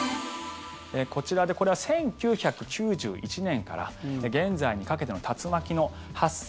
こちらで、これは１９９１年から現在にかけての竜巻の発生